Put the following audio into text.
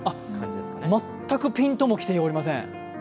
全くピンとしておりません。